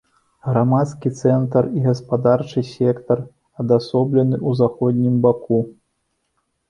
Грамадскі цэнтр і гаспадарчы сектар адасоблены ў заходнім баку.